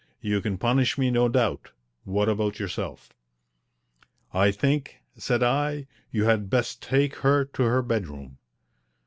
You can punish me, no doubt. What about yourself?" "I think," said I, "you had best take her to her bedroom."